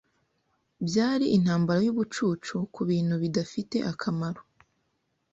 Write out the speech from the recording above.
Byari intambara yubucucu kubintu bidafite akamaro.